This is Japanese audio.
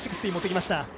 もってきました。